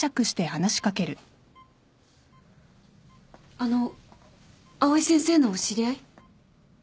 あのう藍井先生のお知り合い？